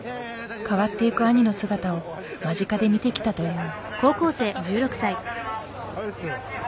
変わっていく兄の姿を間近で見てきたという。